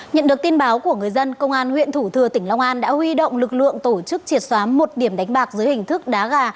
nhận được tin báo của người dân công an huyện thủ thừa tỉnh long an đã huy động lực lượng tổ chức triệt xóa một điểm đánh bạc dưới hình thức đá gà